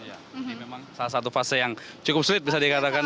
ini memang salah satu fase yang cukup sulit bisa dikatakan